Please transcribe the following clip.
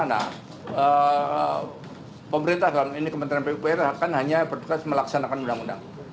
nah pemerintah dalam ini kementerian pupr akan hanya bertugas melaksanakan undang undang